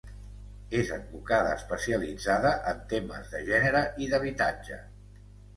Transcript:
És advocada especialitzada en temes de gènere i d'habitatge.